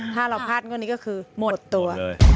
ถ้าเราพลาดงวดนี้ก็คือหมดตัว